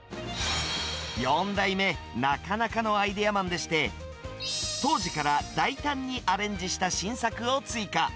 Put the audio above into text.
４代目、なかなかのアイデアマンでして、当時から大胆にアレンジした新作を追加。